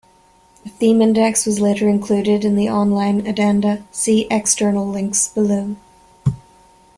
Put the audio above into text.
A theme index was later included in the on-line addenda: see "External links" below.